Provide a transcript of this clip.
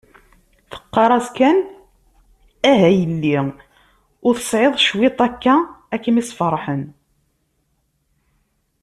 Teqqar-as kan ah a yelli, ur tesɛiḍ cwiṭ akka ad kem-isferḥen.